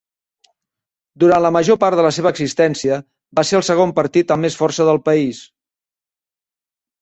Durant la major part de la seva existència, va ser el segon partit amb més força del país.